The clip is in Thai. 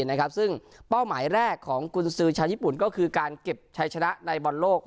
ซึ่งเป้าหมายแรกของกุญสือชาวญี่ปุ่นก็คือการเก็บชัยชนะในบอลโลก